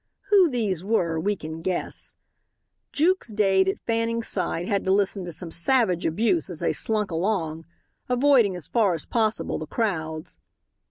Who these were we can guess. Jukes Dade at Fanning's side had to listen to some savage abuse as they slunk along, avoiding as far as possible the crowds.